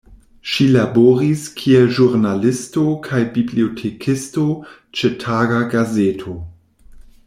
Ŝi laboris kiel ĵurnalisto kaj bibliotekisto ĉe taga gazeto.